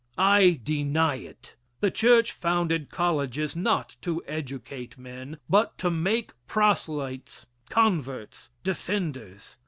I deny it. The church founded colleges not to educate men, but to make proselytes, converts, defenders.